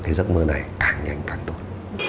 cái giấc mơ này càng nhanh càng tốt